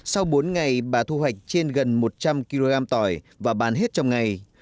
sau bốn ngày bà thu hoạch trên gần một trăm linh kg tỏi và bán hết trong ngày